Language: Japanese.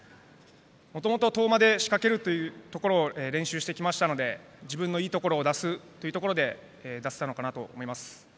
もともと、遠間で仕掛けるというところを練習してきましたので自分のいいところを出すということで出せたのかなと思います。